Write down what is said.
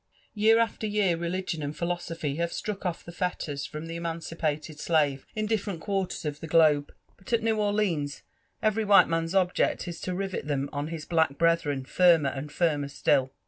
Year after year, religion and philosophy have struck off the fetters from the emancipated slave in different quarters of the globe ; but at New Or leans every white man's object is to riv«t them on his black brethren firaner and firmer still.